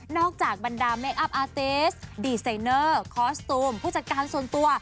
จากบรรดาเมคอัพอาเตสดีไซเนอร์คอสตูมผู้จัดการส่วนตัว